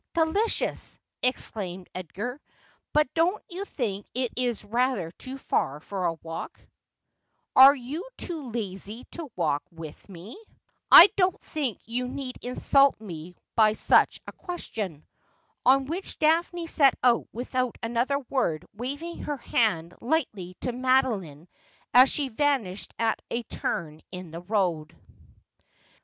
' Delicious,' exclaiined Edgar ;' but don't you think it is rather too far for a walk ?'' Are you too lazy to walk with me ?' ^For Love and not for Hate thou must be ded.' 353 ' I don't think you need insult me by such a question.' On which Daphne set out without another word, waving her hand lightly to Madeline as she vanished at a turn in the road.